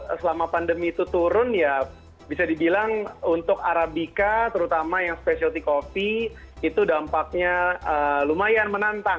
kalo pertanyaannya apakah bisnis kopi itu selama pandemi itu turun ya bisa dibilang untuk arabica terutama yang speciality kopi itu dampaknya lumayan menantang